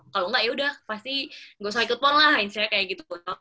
kalo enggak yaudah pasti gak usah ikut pon lah kayak gitu